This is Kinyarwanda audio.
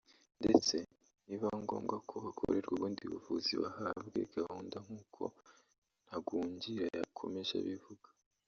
ndetse ni biba ngombwa ko bakorerwa ubundi buvuzi bahabwe gahunda nk’uko Ntagungira yakomeje abivuga